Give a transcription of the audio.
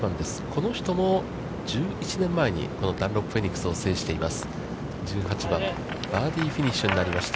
この人も１１年前にこのダンロップフェニックスを制しています。